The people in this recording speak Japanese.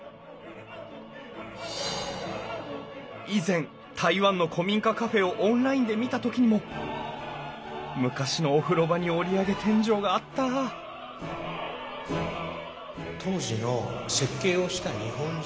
以前台湾の古民家カフェをオンラインで見た時にも昔のお風呂場に折り上げ天井があった当時の設計をした日本人。